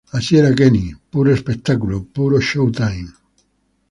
Así era Kenny, puro espectáculo, puro showtime.